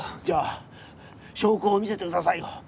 じゃあ証拠を見せてくださいよ。